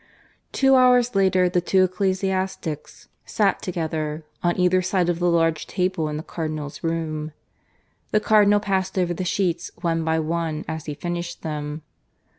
(III) Two hours later the two ecclesiastics sat together, on either side of the large table in the Cardinal's room. The Cardinal passed over the sheets one by one as he finished them.